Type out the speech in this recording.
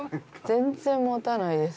全然持たないです。